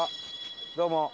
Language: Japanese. どうも。